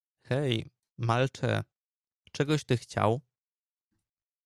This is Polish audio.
"Hej, malcze, czegoś ty chciał?"